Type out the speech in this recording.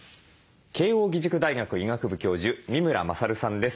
慶應義塾大学医学部教授三村將さんです。